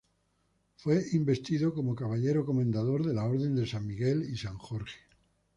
Fue investido como caballero comendador de la Orden de San Miguel y San Jorge.